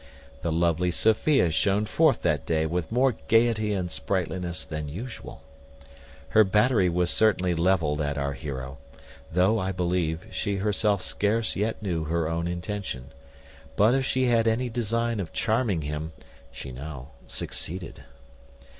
The lovely Sophia shone forth that day with more gaiety and sprightliness than usual. Her battery was certainly levelled at our heroe; though, I believe, she herself scarce yet knew her own intention; but if she had any design of charming him, she now succeeded.